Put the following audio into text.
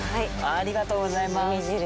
ありがとうございます。